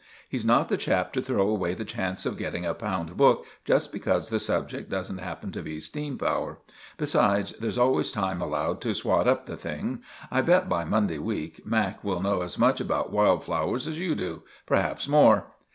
He's not the chap to throw away the chance of getting a pound book just because the subject doesn't happen to be steam power. Besides, there's always time allowed to swat up the thing. I bet by Monday week Mac. will know as much about wild flowers as you do—perhaps more."